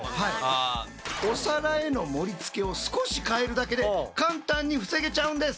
お皿への盛りつけを少し変えるだけで簡単に防げちゃうんです。